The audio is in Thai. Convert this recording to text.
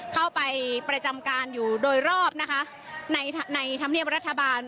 เข้าไปประจำการอยู่โดยรอบนะคะในในธรรมเนียบรัฐบาล